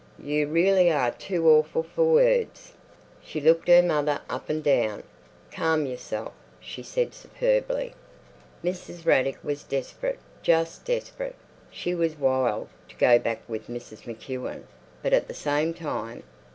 You really are too awful for words." She looked her mother up and down. "Calm yourself," she said superbly. Mrs. Raddick was desperate, just desperate. She was "wild" to go back with Mrs. MacEwen, but at the same time....